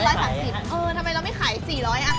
ทำไมเราไม่ขาย๔๐๐